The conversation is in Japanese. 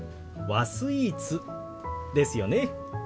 和スイーツですよね。